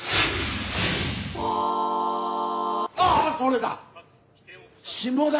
あそれだ！